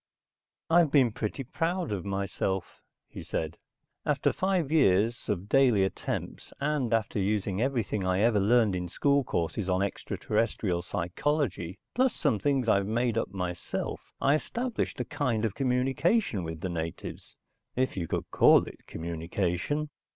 "I've been pretty proud of myself," he said. "After five years of daily attempts, and after using everything I ever learned in school courses on extraterrestrial psychology, plus some things I've made up myself, I established a kind of communication with the natives if you could call it communication.